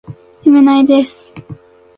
だそい ｈｓｄｇ ほ；いせるぎ ｌｈｓｇ